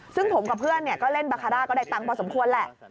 ซึ่งผมกับเพื่อนก็เล่นบาคาร่าก็ได้ตังค์พอสมควรแหละ